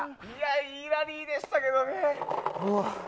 いいラリーでしたけどね。